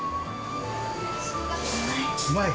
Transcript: うまい。